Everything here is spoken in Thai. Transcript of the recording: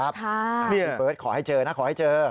พี่เปิ๊วทขอให้เจอนะขอให้เจอ